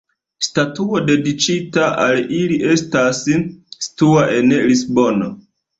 Statuo dediĉita al ili estas situa en Lisbono.